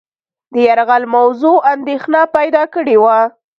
د یرغل موضوع اندېښنه پیدا کړې وه.